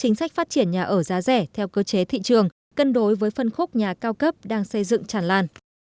nhà ở giá rẻ theo cơ chế thị trường cân đối với phân khúc nhà cao cấp đang xây dựng tràn lan